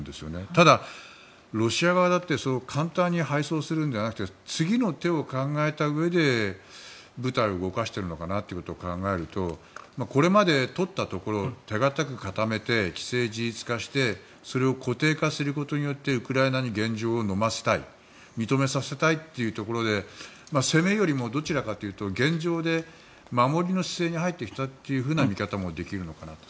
ただ、ロシア側だってそう簡単に敗走するのではなくて次の手を考えたうえで部隊を動かしているのかなということを考えるとこれまで取ったところ手堅く固めて既成事実化してそれを固定化することによってウクライナに現状をのませたい認めさせたいというところで攻めよりもどちらかというと、現状で守りの姿勢に入ってきたという見方もできるのかなと。